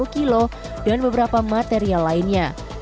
dua puluh kilo dan beberapa material lainnya